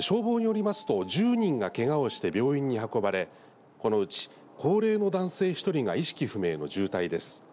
消防によりますと１０人がけがをして病院に運ばれこのうち高齢の男性１人が意識不明の重体です。